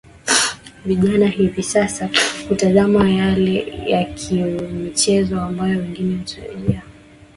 aa viwanja hivi sasa kutazama yale yakimichezo ambayo pengine yatajiri na yaliyojiri hiyo jana